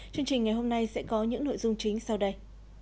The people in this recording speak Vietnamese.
chương trình ngày hôm nay sẽ có những nội dung chính sau đây